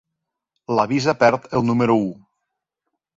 La visa perd el número u.